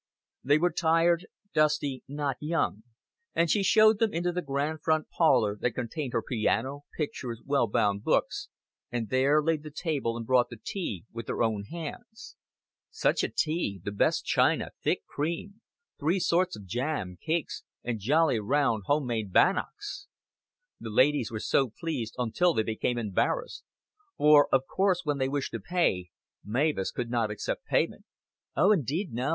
They were tired, dusty, not young; and she showed them into the grand front parlor that contained her piano, pictures, well bound books, and there laid the table and brought the tea with her own hands. Such a tea the best china, thick cream, three sorts of jam, cakes, and jolly round home made bannocks! The ladies were so pleased, until they became embarrassed. For of course when they wished to pay, Mavis could not accept payment. "Oh, indeed no.